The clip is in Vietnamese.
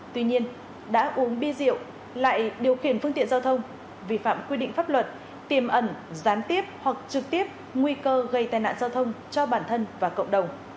tuy nhiên đã uống bia rượu lại điều khiển phương tiện giao thông vi phạm quy định pháp luật tiềm ẩn gián tiếp hoặc trực tiếp nguy cơ gây tai nạn giao thông cho bản thân và cộng đồng